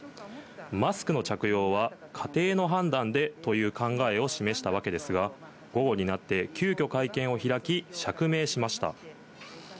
マスクの着用は家庭の判断でという考えを示したわけですが、午後になって、急きょ会見を開き、釈明しました。